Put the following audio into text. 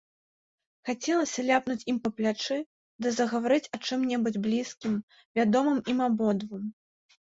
Хацелася ляпнуць яму па плячы ды загаварыць аб чым-небудзь блізкім, вядомым ім абодвум.